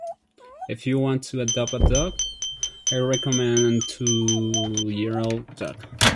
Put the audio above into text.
If you want to adopt a dog, I recommend an two year old dog.